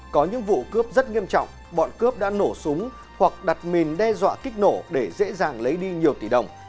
có những vụ cướp rất nghiêm trọng bọn cướp đã nổ súng hoặc đặt mìn đe dọa kích nổ để dễ dàng lấy đi nhiều tỷ đồng